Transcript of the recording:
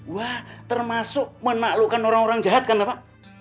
wah termasuk menaklukkan orang orang jahat karena pak